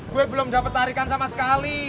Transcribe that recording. gue belum dapat tarikan sama sekali